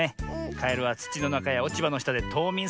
カエルはつちのなかやおちばのしたでとうみんするからね。